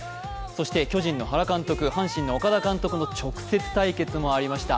そして巨人の原監督、阪神の岡田監督の直接対決もありました。